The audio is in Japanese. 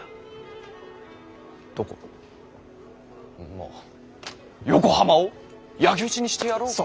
まぁ横浜を焼き討ちにしてやろうと。